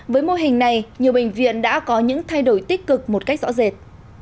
với mô hình này nhiều bệnh viện đã có những thay đổi tích cực một cách rõ rệt